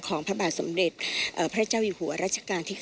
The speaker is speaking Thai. พระบาทสมเด็จพระเจ้าอยู่หัวรัชกาลที่๙